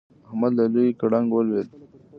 احمد له لوی ګړنګ ولوېد.